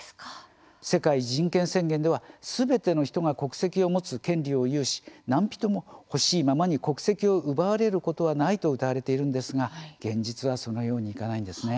世界人権宣言ではすべての人が国籍を持つ権利を有し、何人も欲しいままに国籍を奪われることはないとうたわれているんですが、現実はそのようにいかないんですね。